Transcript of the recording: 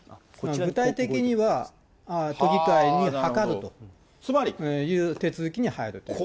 具体的には、都議会に諮るという手続きに入ると。